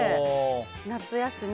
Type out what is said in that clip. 夏休み